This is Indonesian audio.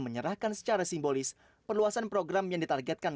menyerahkan secara simbolis perluasan program yang ditargetkan